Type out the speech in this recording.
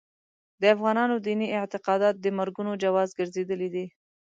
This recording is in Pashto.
د افغانانو دیني اعتقادات د مرګونو جواز ګرځېدلي دي.